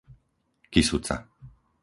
Kysuca